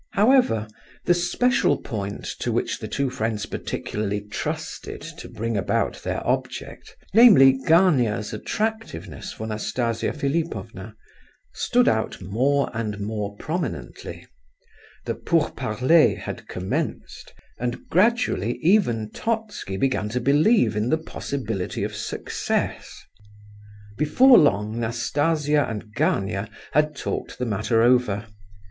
However, the special point to which the two friends particularly trusted to bring about their object (namely, Gania's attractiveness for Nastasia Philipovna), stood out more and more prominently; the pourparlers had commenced, and gradually even Totski began to believe in the possibility of success. Before long Nastasia and Gania had talked the matter over.